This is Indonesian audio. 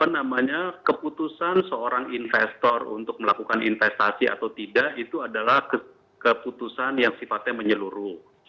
namanya keputusan seorang investor untuk melakukan investasi atau tidak itu adalah keputusan yang sifatnya menyeluruh